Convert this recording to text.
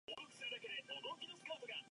大湳交流道